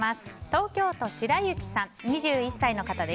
東京都、２１歳の方。